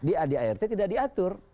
di adrt tidak diatur